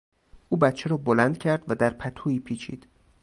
او بچه را بلند کرد و در پتویی پیچید.